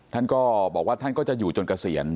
ท่านก็บอกว่าท่านก็จะอยู่จนเกษียณ